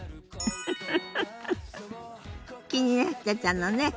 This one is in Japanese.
フフフフ気になってたのね。